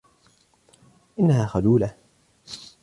انها خجولة.